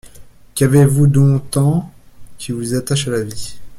Qu’avez-vous donc tant qui vous attache à la vie?